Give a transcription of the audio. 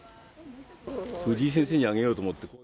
藤井先生にあげようと思って。